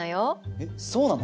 えっそうなの？